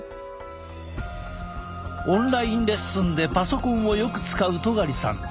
オンラインレッスンでパソコンをよく使う戸苅さん。